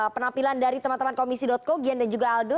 penampilan dari teman teman komisi co gian dan juga aldo